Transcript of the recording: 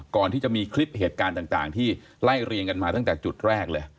ก่อนที่จะมีคลิปเหตุการณ์ต่างที่ไล่เรียงกันมาตั้งแต่จุดแรกเลย